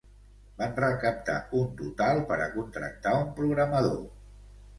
Van recaptar un total per a contractar un programador.